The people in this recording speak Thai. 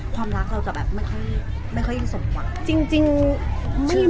ความรักเราจะไม่ยินสมหวัง